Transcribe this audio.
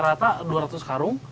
rata rata dua ratus karung